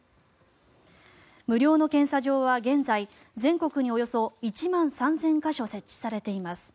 無料の検査場は現在全国におよそ１万３０００か所設置されています。